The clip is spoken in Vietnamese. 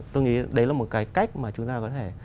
tôi nghĩ đấy là một cái cách mà chúng ta có thể